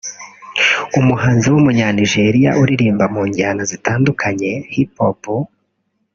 umuhanzi w’Umunya-Nigeria uririmba mu njyana zitandukanye Hip Hop